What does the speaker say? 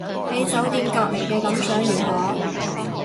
喺酒店隔離嘅感想如何